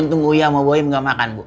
untung buya mau bawa ini nggak makan bu